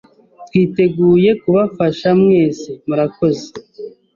twiteguye kubafasha mwese. Murakoze